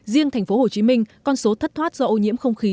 riêng thành phố hồ chí minh con số thất thoát do ô nhiễm không khí